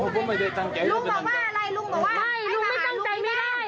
ลุงบอกว่าอะไรลุงบอกว่าไม่ลุงไม่จังใจไม่ได้